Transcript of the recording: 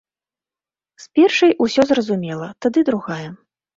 З першай усё зразумела, тады другая.